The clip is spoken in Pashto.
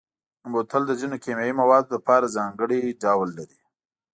بوتل د ځینو کیمیاوي موادو لپاره ځانګړی ډول لري.